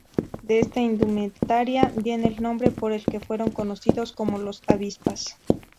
De esta indumentaria viene el nombre por el que fueron conocidos, como ""los avispas"".